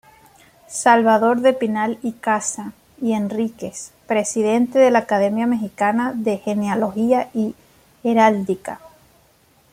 Salvador de Pinal-Icaza y Enríquez, Presidente de la Academia Mexicana de Genealogía y Heráldica.